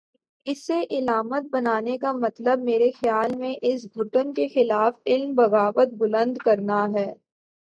اسے علامت بنانے کا مطلب، میرے خیال میں اس گھٹن کے خلاف علم بغاوت بلند کرنا ہے۔